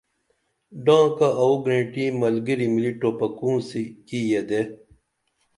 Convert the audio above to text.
ڈانکہ اوو گرینٹی ملگِری ملی ٹوپہ کُونسی کی یدے